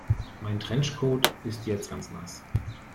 Mein Trenchcoat ist jetzt ganz nass.